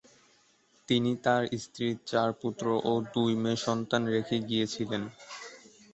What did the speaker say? তিনি তার স্ত্রী, চার পুত্র ও দুই মেয়ে সন্তান রেখে গিয়েছিলেন।